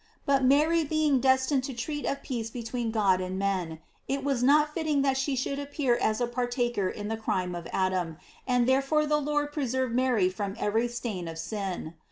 But Mary being destined to treat of peace between God and men, it was not fitting that she should appear as a partaker in the crime of Adam, and therefore the Lord preserved Mary from every stain of sin.